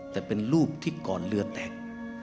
แต่เป็นรูปที่ก่อนเรือแตก